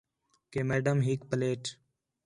کہ میڈم ہِک پلیٹ